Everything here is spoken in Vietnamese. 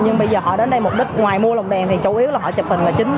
nhưng bây giờ họ đến đây mục đích ngoài mua lồng đèn thì chủ yếu là họ chụp hình là chính